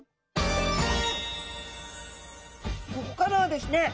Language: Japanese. ここからはですね